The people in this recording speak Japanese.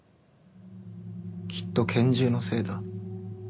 きっと拳銃のせいだ。